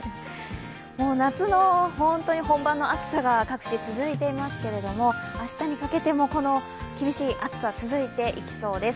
もう夏も本当に本番の暑さが、各地、続いていますが明日にかけてもこの厳しい暑さ続いていきそうです。